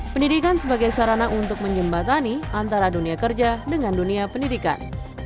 pendidikan sebagai sarana untuk menjembatani antara dunia kerja dengan dunia pendidikan